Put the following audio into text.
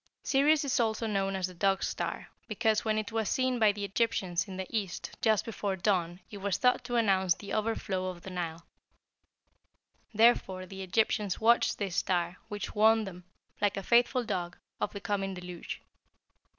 [Illustration: THE GREAT DOG.] "Sirius is also known as the Dog star, because when it was seen by the Egyptians in the east just before dawn it was thought to announce the overflow of the Nile. Therefore the Egyptians watched this star, which warned them, like a faithful dog, of the coming deluge.